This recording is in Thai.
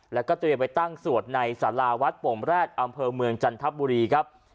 แล้วก็เตรียมไปตั้งสวดในสาราวัดโป่งแรดอำเภอเมืองจันทบุรีครับ